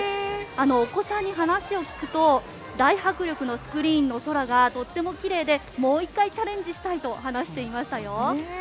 お子さんに話を聞くと大迫力のスクリーンの空がとても奇麗でもう１回チャレンジしたいと話していましたよ。